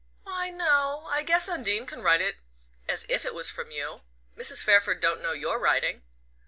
"Why, no. I guess Undine can write it as if it was from you. Mrs. Fairford don't know your writing."